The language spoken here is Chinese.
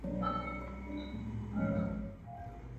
事后朝廷追赠镇军将军。